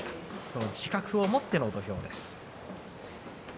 その自覚を持っての土俵です。